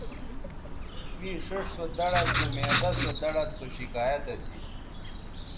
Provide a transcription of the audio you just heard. مے ݜیئݜ سو دڑد زو معدہ سو دڑد سو شکایت اسی